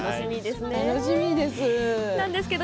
楽しみですね。